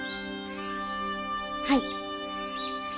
はい。